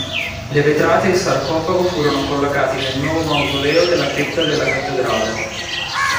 Le vetrate e il sarcofago furono collocati nel nuovo mausoleo della cripta della cattedrale.